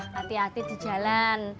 hati hati di jalan